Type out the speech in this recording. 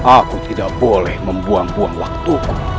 aku tidak boleh membuang buang waktuku